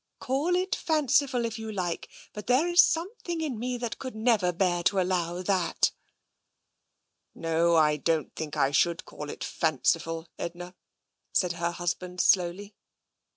Call it fanciful if you like, but there is something in me that could never bear to allow ihatr " No, I don't think I should call it fanciful, Edna," said her husband slowly.